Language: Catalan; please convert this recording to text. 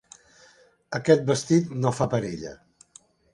Aquest vestit no fa per a ella.